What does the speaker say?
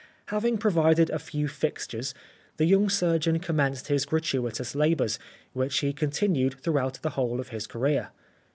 Having provided a few fixtures, the young surgeon commenced his gratuitous labours, which he continued through out the whole of his career.